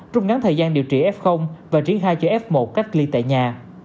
trút ngắn thời gian điều trị f và triển khai cho f một cách ly tại nhà